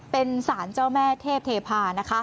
เป็นสารเจ้าแม่เทพเทพานะคะ